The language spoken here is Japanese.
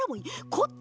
こっち？